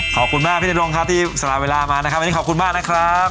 ขอบคุณมากพี่นดงครับที่สละเวลามานะครับวันนี้ขอบคุณมากนะครับ